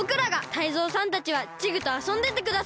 タイゾウさんたちはチグとあそんでてください。